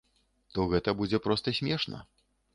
То гэта будзе проста смешна.